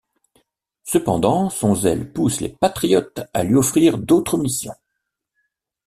Cependant, son zèle pousse les patriotes à lui offrir d'autres missions.